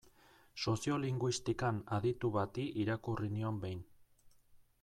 Soziolinguistikan aditu bati irakurri nion behin.